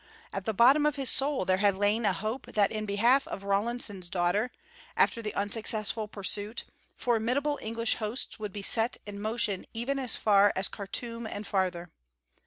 At the bottom of his soul there had lain a hope that in behalf of Rawlinson's daughter, after the unsuccessful pursuit, formidable English hosts would be set in motion even as far as Khartûm and farther.